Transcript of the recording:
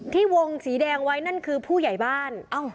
ที่วงสีแดงไว้นั่นคือผู้ใหญ่บ้าน